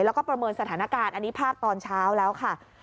แล้วก็ประเมินสถานการณ์อันนี้ภาพตอนเช้าแล้วค่ะ